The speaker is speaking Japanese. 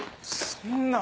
そんな。